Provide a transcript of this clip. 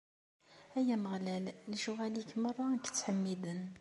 Ay Ameɣlal, lecɣwal-ik merra ad k-ttḥemmiden.